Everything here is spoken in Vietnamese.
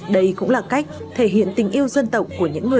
đây cũng là cách thể hiện tình yêu dân tộc của những người